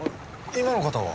今の方は？